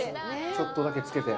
ちょっとだけつけて。